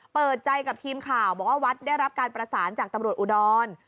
เปิดใจกับทีมข่าวบอกว่าวัดได้รับการประสานจากตำรวจอุดร